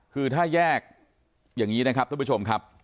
คือถ้าแยกอย่างนี้นะครับท่านผู้ชมครับ